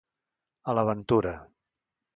A la ventura.